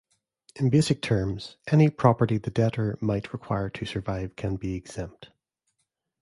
In basic terms, any property the debtor might require to survive can be exempt.